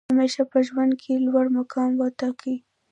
همېشه په ژوند کښي لوړ مقام وټاکئ!